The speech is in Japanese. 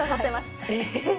えっ？